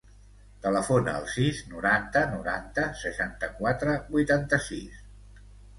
Telefona al sis, noranta, noranta, seixanta-quatre, vuitanta-sis.